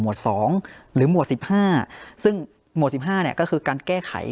หมวดสองหรือหมวดสิบห้าซึ่งหมวดสิบห้าเนี้ยก็คือการแก้ไข